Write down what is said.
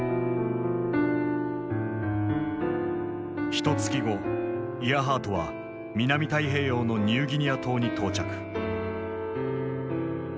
ひとつき後イアハートは南太平洋のニューギニア島に到着。